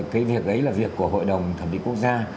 cái việc ấy là việc của hội đồng thẩm định quốc gia